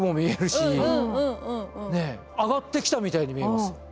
上がってきたみたいに見えます。